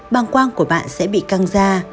băng quang của bạn sẽ bị căng da